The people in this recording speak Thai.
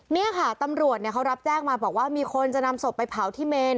นี่ค่ะตำรวจเขารับแจ้งมาบอกว่ามีคนจะนำศพไปเผาที่เมน